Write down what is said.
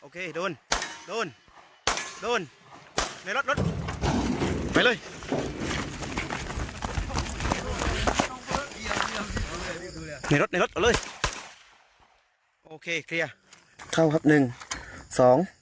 เข้าครับหนึ่งสอง